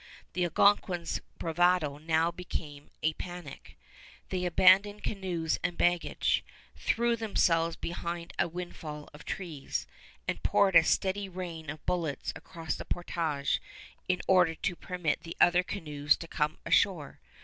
The Algonquins' bravado now became a panic. They abandoned canoes and baggage, threw themselves behind a windfall of trees, and poured a steady rain of bullets across the portage in order to permit the other canoes to come ashore.